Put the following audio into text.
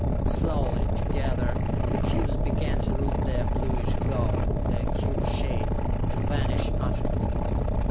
Slowly, together, the cubes began to lose their bluish glow, their cube shape to vanish utterly.